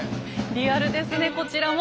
リアルですねこちらも。